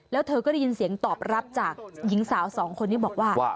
แล้วเธอก็ได้ยินเสียงตอบรับจากหญิงสาวสองคนนี้บอกว่า